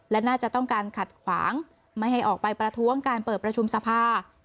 และน่าจะต้องการขัดขวางไม่ให้ออกไปประท้วงการเปิดประชุมสภา